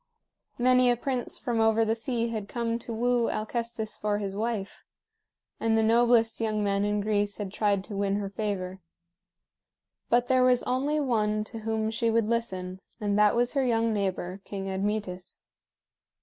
Many a prince from over the sea had come to woo Alcestis for his wife; and the noblest young men in Greece had tried to win her favor. But there was only one to whom she would listen, and that was her young neighbor, King Admetus.